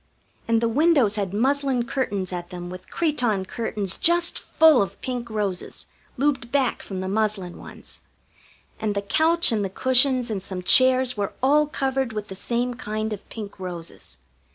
And the windows had muslin curtains at them with cretonne curtains just full of pink roses, looped back from the muslin ones; and the couch and the cushions and some chairs were all covered with the same kind of pink roses.